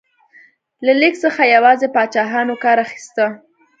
له لیک څخه یوازې پاچاهانو کار اخیسته.